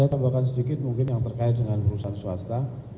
saya tambahkan sedikit mungkin yang terkait dengan perusahaan swasta